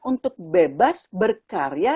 untuk bebas berkarya